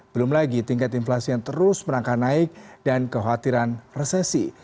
belum lagi tingkat inflasi yang terus merangkak naik dan kekhawatiran resesi